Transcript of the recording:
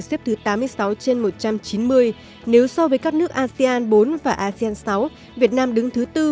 xếp thứ tám mươi sáu trên một trăm chín mươi nếu so với các nước asean bốn và asean sáu việt nam đứng thứ tư